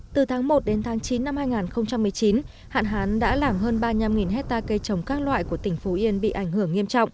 từ tháng một đến tháng chín năm hai nghìn một mươi chín hạn hán đã làm hơn ba mươi năm hectare cây trồng các loại của tỉnh phú yên bị ảnh hưởng nghiêm trọng